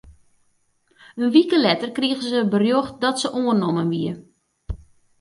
In wike letter krige se berjocht dat se oannommen wie.